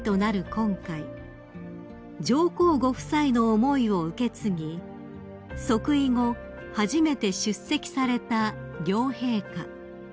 今回上皇ご夫妻の思いを受け継ぎ即位後初めて出席された両陛下］